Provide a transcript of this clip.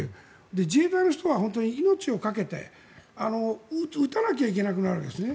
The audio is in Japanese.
自衛隊の人は本当に命をかけて撃たなきゃいけなくなるんですね。